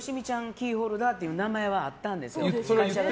キーホルダーっていう名前はあったんですよ。